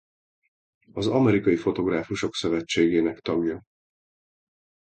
Az Amerikai Fotográfusok Szövetségének tagja.